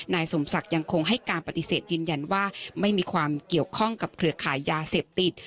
นายสมศักดิ์ยังคงให้การปฏิเสธยืนยันว่าไม่มีความเกี่ยวข้องกับเครือขายยาเสพติด